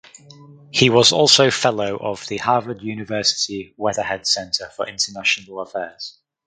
He was also fellow of the Harvard University Weatherhead Center for International Affairs.